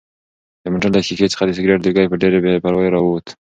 د موټر له ښیښې څخه د سګرټ لوګی په ډېرې بې پروایۍ راووت.